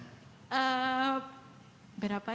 eee berapa ya